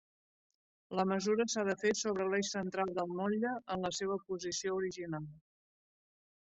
La mesura s'ha de fer sobre l'eix central del motlle en la seva posició original.